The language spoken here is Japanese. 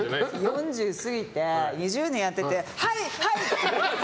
４０すぎて２０年やってて「はいはい！」って怖いじゃん。